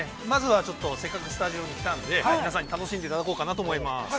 まずはちょっとせっかくスタジオに来たので皆さんに楽しんでいただこうかなと思います。